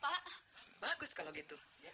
pak bagus kalau gitu